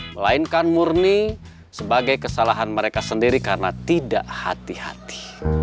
melainkan murni sebagai kesalahan mereka sendiri karena tidak hati hati